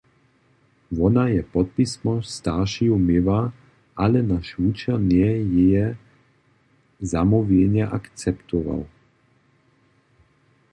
Wona je podpismo staršeju měła, ale naš wučer njeje jeje zamołwjenje akceptował.